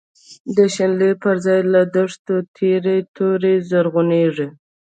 د شنلی پر ځای له دښتو، تیری توری زرغونیږی